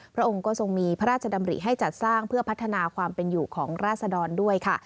พระองค์ก็ทรงมีพระราชดำริให้จัดสร้างเพื่อพัฒนาความเป็นอยู่ของราศดรด้วยค่ะ